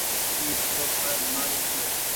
اي پروڦآئل مآري ڇي۔